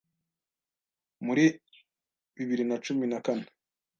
Muri bibiri na cumi na kane